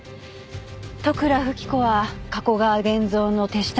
利倉富貴子は加古川源蔵の手下のようなもの。